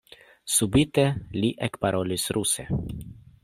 Subite li ekparolis ruse: